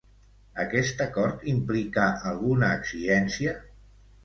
Aquest acord, implica alguna exigència?